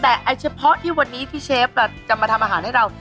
แต่เฉพาะที่วันนี้ที่เชฟจะมาทำอาหารให้เรา